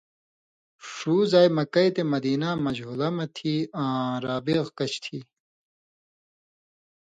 ݜُو زائ مکہ یی تے مدیناں مژھولہ مہ تھی آں رابغ کَچھ تھی۔